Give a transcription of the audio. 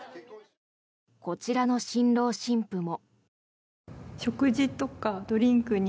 こちらの新郎新婦も。